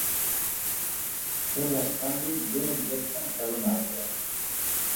Fer el bescanvi d'un objecte per un altre.